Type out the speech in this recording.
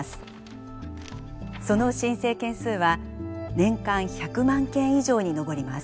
その申請件数は年間１００万件以上に上ります。